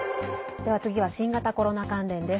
では次は新型コロナ関連です。